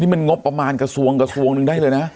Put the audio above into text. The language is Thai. นี่มันงบประมาณกับส่วงกับส่วงนึงได้เลยนะ